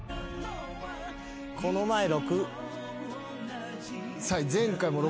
この前６。